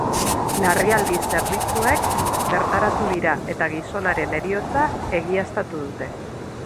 Larrialdi zerbitzuek bertaratu dira, eta gizonaren heriotza egiaztatu dute.